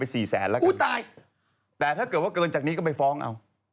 แต่ถ้าเกินจากนี้ก็ไปฟ้องเอ้า